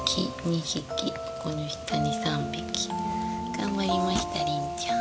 頑張りましたりんちゃん